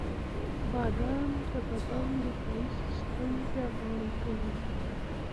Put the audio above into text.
• بادام د بدن د دفاعي سیستم پیاوړی کوي.